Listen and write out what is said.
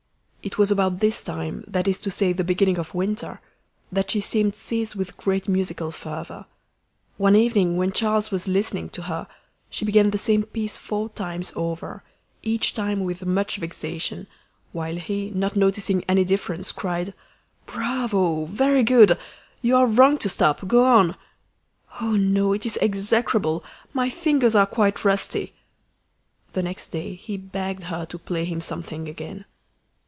It was about this time, that is to say, the beginning of winter, that she seemed seized with great musical fervour. One evening when Charles was listening to her, she began the same piece four times over, each time with much vexation, while he, not noticing any difference, cried "Bravo! very goodl You are wrong to stop. Go on!" "Oh, no; it is execrable! My fingers are quite rusty." The next day he begged her to play him something again.